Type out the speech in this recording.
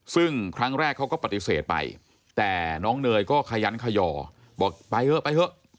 ซึ่งครั้งแรกเขาก็ปฏิเสธไปแต่น้องเนยก็ขยันขย่อบอกไปเถอะไปเถอะ